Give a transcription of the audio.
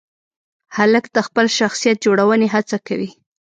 هلک د خپل شخصیت جوړونې هڅه کوي.